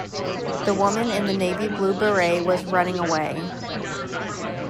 The woman in the navy blue beret was running away.